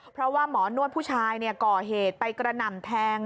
เพราะว่าหมอนวดผู้ชายก่อเหตุไปกระหน่ำแทง